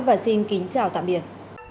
và xin kính chào tạm biệt